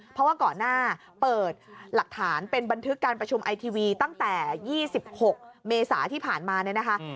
เพราะว่าก่อนหน้าเปิดหลักฐานเป็นบันทึกการประชุมไอทีวีตั้งแต่๒๖เมษาที่ผ่านมาเนี่ยนะคะ